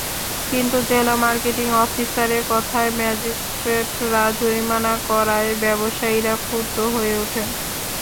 কিন্তু জেলা মার্কেটিং অফিসারের কথায় ম্যাজিস্ট্রেটরা জরিমানা করায় ব্যবসায়ীরা ক্ষুব্ধ হয়ে ওঠেন।